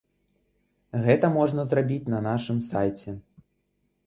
Гэта можна зрабіць на нашым сайце.